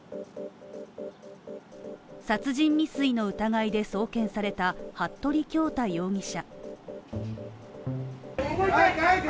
殺人未遂の疑いで送検された服部恭太容疑者。